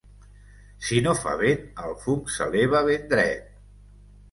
Si no fa vent, el fum s'eleva ben dret.